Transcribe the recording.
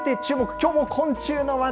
きょうも昆虫の話題。